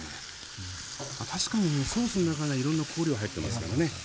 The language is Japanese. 確かにソースの中にはいろんな香料入ってますからね。